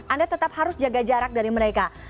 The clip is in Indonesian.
anda tetap harus jaga jarak dari mereka